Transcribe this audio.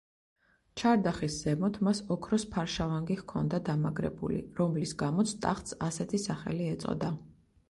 ჩარდახის ზემოთ მას ოქროს ფარშავანგი ჰქონდა დამაგრებული, რომლის გამოც ტახტს ასეთი სახელი ეწოდა.